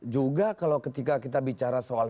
juga kalau ketika kita bicara soal